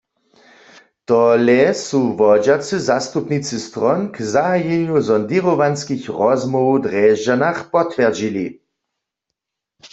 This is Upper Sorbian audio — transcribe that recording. Tole su wodźacy zastupnicy stron k zahajenju sonděrowanskich rozmołwow w Drježdźanach potwjerdźili.